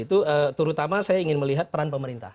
itu terutama saya ingin melihat peran pemerintah